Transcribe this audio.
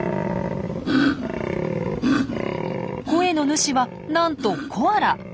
声の主はなんとコアラ。